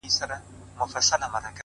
هره ورځ د زده کړې نوې موقع ده’